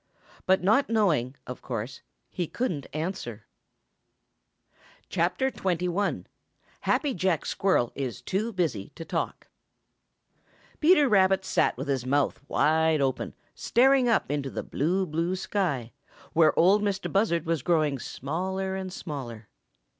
But not knowing, of course he couldn't answer. XI. HAPPY JACK SQUIRREL IS TO BUSY TO TALK |PETER RABBIT sat with his mouth wide open staring up into the blue, blue sky, where Ol' Mistah Buzzard was growing smaller and smaller.